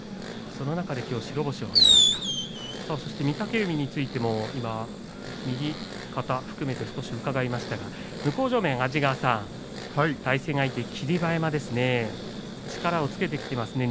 そして御嶽海についても右肩を含めて少し伺いましたが向正面の安治川さん対戦相手、霧馬山力をつけてきていますね。